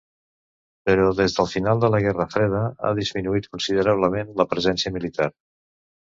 Però des del final de la Guerra Freda, ha disminuït considerablement la presència militar.